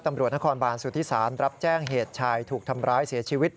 ตำรวจนครบานสุธิศาลรับแจ้งเหตุชายถูกทำร้ายเสียชีวิต